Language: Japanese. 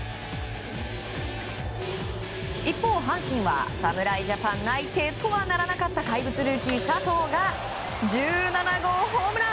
一方、阪神は侍ジャパン内定とはならなかった怪物ルーキー、佐藤が１７号ホームラン！